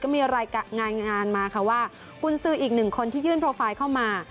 มีรายงานมาค่ะว่ากุญสืออีกหนึ่งคนที่ยื่นโปรไฟล์เข้ามา